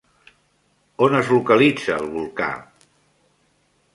On es localitza el volcà?